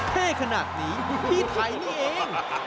เท่ขนาดนี้พี่ไทยนี่เอง